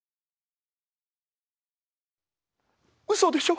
うそでしょ？